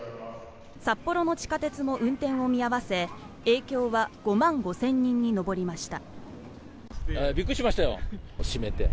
札幌の地下鉄も運転を見合わせ影響は５万５０００人に上りました。